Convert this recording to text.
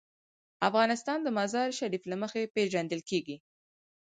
افغانستان د مزارشریف له مخې پېژندل کېږي.